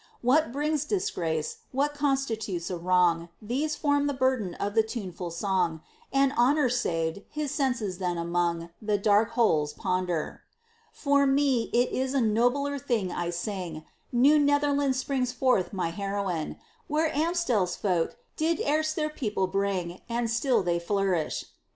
What brings disgrace, what constitutes a wrong, These form the burden of the tuneful song: And honor saved, his senses then among The dark holes ponder. For me, it is a nobler thing I sing. New Netherland springs forth my heroine; Where Amstel's folk did erst their people bring, And still they flourish.